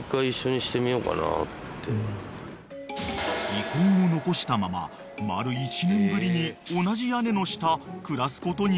［遺恨を残したまま丸１年ぶりに同じ屋根の下暮らすことになった２人］